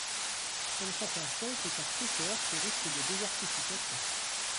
Comme chacun sait, ces quartiers se heurtent au risque de désertification.